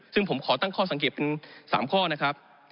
ซึ่งผมขอตั้งข้อสังเกตเป็น๓ข้อนะครับ